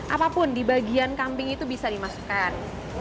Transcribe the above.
apapun di bagian kambing itu bisa dimasukkan